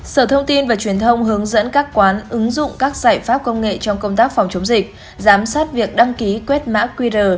sở thông tin và truyền thông hướng dẫn các quán ứng dụng các giải pháp công nghệ trong công tác phòng chống dịch giám sát việc đăng ký quét mã qr